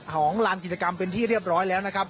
ของลานกิจกรรมเป็นที่เรียบร้อยแล้วนะครับ